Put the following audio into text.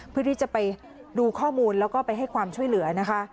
เพื่อที่จะไปดูข้อมูลแล้วก็ไปให้ความช่วยเหลือนะคะ